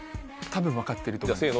多分分かってると思う。